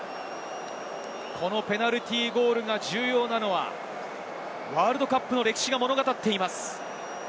ペナルティーゴールが重要なのはワールドカップの歴史が物語っています。